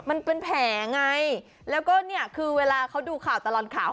มันเป็นแผลไงแล้วก็เนี่ยคือเวลาเขาดูข่าวตลอดข่าว